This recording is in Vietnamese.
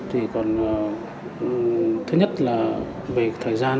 thì còn thứ nhất là về thời gian